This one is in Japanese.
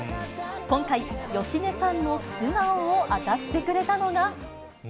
今回、芳根さんの素顔を明かしてくれたのが。